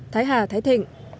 thái hà thái thịnh